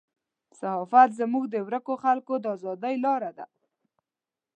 صحافت زموږ د ورکو خلکو د ازادۍ لاره ده.